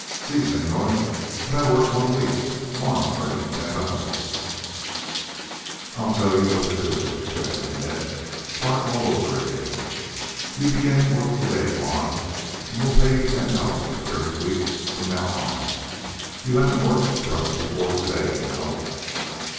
"Si, señor. But I work one week. Juan earn ten dollar " "I'll tell you what to do," interjected Ned. "Start all over again. You begin work to day; Juan, and we'll pay you ten dollars for every week from now on. You haven't worked for us before to day, you know."